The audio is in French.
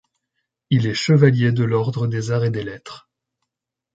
Il est chevalier de l'ordre des Arts et des Lettres.